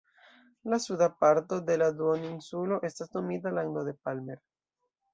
La suda parto de la duoninsulo estas nomita "lando de Palmer".